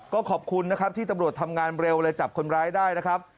ก็ขอบคุณนะครับที่ตำรวจทำงานเร็วเลยจับคนร้ายได้นะครับ